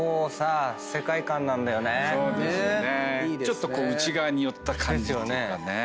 ちょっと内側に寄った感じ。ですよね。